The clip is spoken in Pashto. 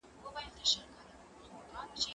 زه کولای سم قلم استعمالوم کړم!.